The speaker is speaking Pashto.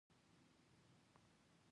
د انارو بڼ په خوب کې